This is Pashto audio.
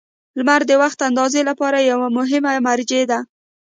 • لمر د وخت اندازې لپاره یوه مهمه مرجع ده.